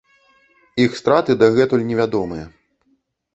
Іх страты дагэтуль невядомыя.